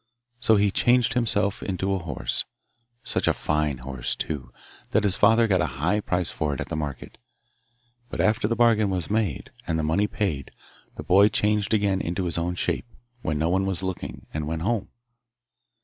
So he changed himself to a horse, such a fine horse, too, that his father got a high price for it at the market; but after the bargain was made, and the money paid, the boy changed again to his own shape, when no one was looking, and went home.